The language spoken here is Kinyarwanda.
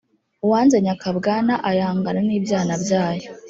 Uwanze nyakabwana ayangana n’ibyana byayo.